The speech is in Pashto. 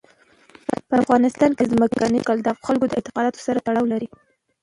په افغانستان کې ځمکنی شکل د خلکو اعتقاداتو سره تړاو لري.